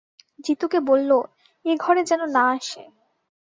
জিতুকে বলল, এ ঘরে যেন না আসে।